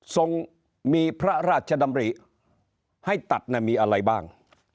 ทรงมีพระราชดำริให้ตัดมีอะไรบ้าง